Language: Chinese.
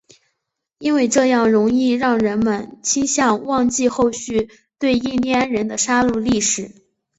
因为这样容易让人们倾向忘记后续对印第安人的杀戮历史。